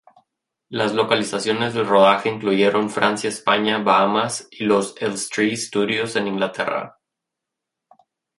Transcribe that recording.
Las localizaciones del rodaje incluyeron Francia, España, Bahamas y los Elstree Studios en Inglaterra.